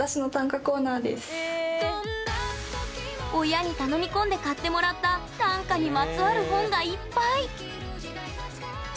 親に頼み込んで買ってもらった短歌にまつわる本がいっぱい！